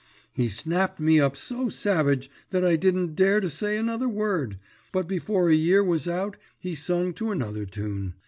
"He snapped me up so savage that I didn't dare to say another word, but before a year was out he sung to another tune.